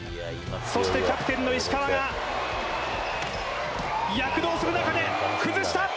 そしてキャプテンの石川が、躍動する中で、崩した。